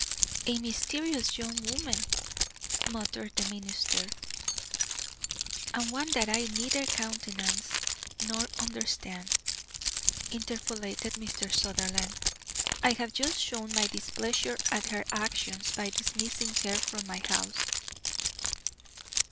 "A mysterious young woman," muttered the minister. "And one that I neither countenance nor understand," interpolated Mr. Sutherland. "I have just shown my displeasure at her actions by dismissing her from my house."